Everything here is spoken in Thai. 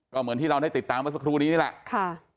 ก็เหมือนที่เราได้ติดตามกันสักครู่นี้แหละ